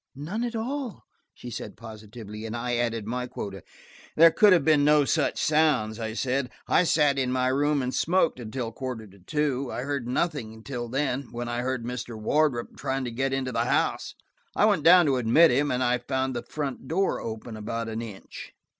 "None at all," she said positively. And I added my quota. "There could have been no such sounds," I said. "I sat in my room and smoked until a quarter to two. I heard nothing until then, when I heard Mr. Wardrop trying to get into the house. I went down to admit him, and–I found the front door open about an inch."